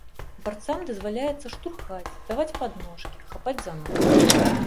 Барцам дазваляецца штурхаць, даваць падножкі, хапаць за ногі.